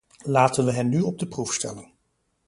Laten we hen nu op de proef stellen.